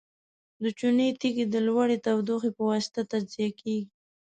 د چونې تیږې د لوړې تودوخې په واسطه تجزیه کیږي.